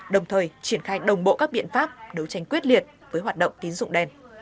đồng thời triển khai đồng bộ các biện pháp đấu tranh quyết liệt với hoạt động tín dụng đen